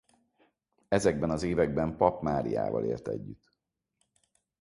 Ezekben az években Pap Máriával élt együtt.